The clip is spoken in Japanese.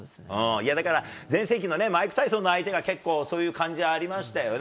いや、だから、全盛期のね、マイク・タイソンの相手が結構そういう感じありましたよね。